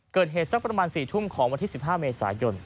เกิดเหตุสักประมาณ๔ทุ่มของวันที่๑๕เมษายน